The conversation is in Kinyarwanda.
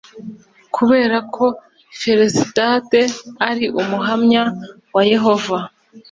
Kubera ko felicidade ari umuhamya wa yehova